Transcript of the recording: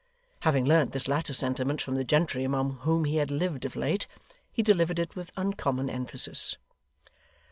Having learnt this latter sentiment from the gentry among whom he had lived of late, he delivered it with uncommon emphasis.